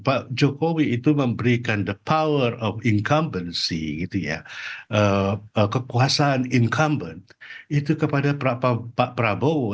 pak jokowi itu memberikan the power of incumbency kekuasaan incumbent itu kepada pak prabowo